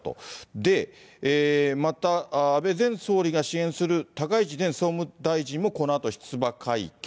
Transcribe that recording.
で、また安倍前総理が支援する高市前総務大臣もこのあと出馬会見。